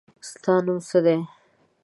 ستا نوم څه دی؟